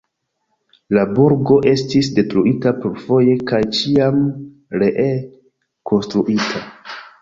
La burgo estis detruita plurfoje kaj ĉiam ree konstruita.